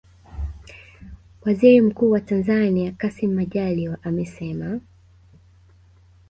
Waziri mkuu wa Tanzania Kassim Majaliwa amesema